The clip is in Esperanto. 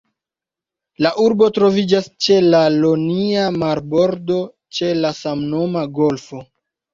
La urbo troviĝas ĉe la Ionia marbordo, ĉe samnoma golfo.